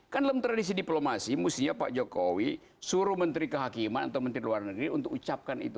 kan dalam tradisi diplomasi mestinya pak jokowi suruh menteri kehakiman atau menteri luar negeri untuk ucapkan itu